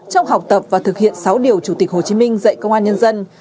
trong học tập và thực hiện sáu điều chủ tịch hồ chí minh dạy công an nhân dân